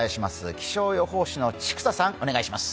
気象予報士の千種さん、お願いします。